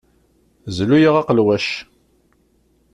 Zlu-aɣ aqelwac.